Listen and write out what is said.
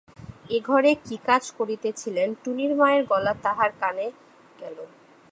এ ঘরে কি কাজ করিতেছিলেন, টুনির মায়ের গলা তাহার কানে গেল।